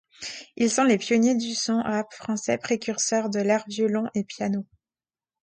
Ils sont les pionniers du son rap français précurseur de l’air violon et piano.